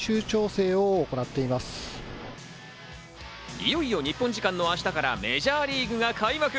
いよいよ日本時間の明日からメジャーリーグが開幕。